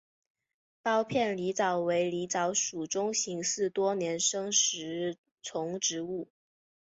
苞片狸藻为狸藻属中型似多年生食虫植物。